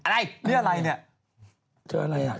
อะไร